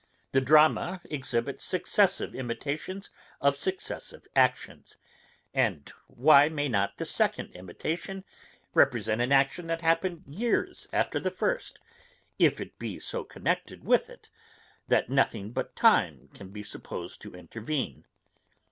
The drama exhibits successive imitations of successive actions; and why may not the second imitation represent an action that happened years after the first, if it be so connected with it, that nothing but time can be supposed to intervene?